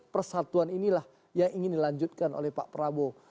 persatuan inilah yang ingin dilanjutkan oleh pak prabowo